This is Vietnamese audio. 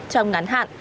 trong ngắn hạn